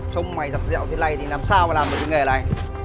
trông mày rập rẹo thế này thì làm sao mà làm được cái nghề này